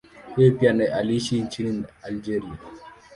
Yeye pia aliishi nchini Algeria.